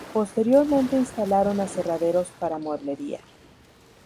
Posteriormente instalaron aserraderos para mueblería.